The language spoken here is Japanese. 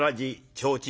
提灯